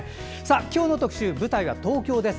今日の特集、舞台は東京です。